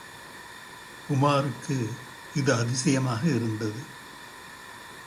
உமாருக்கு இது அதிசயமாக இருந்தது.